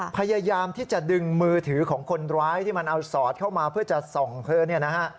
พยายามที่จะดึงมือถือของคนร้ายที่มันเอาสอดเข้ามาเพื่อจะส่องเธอเนี่ยนะฮะ